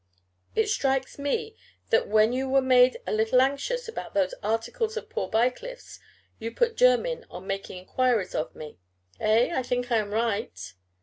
It strikes me that when you were made a little anxious about those articles of poor Bycliffe's, you put Jermyn on making enquiries of me. Eh? I think I am right?"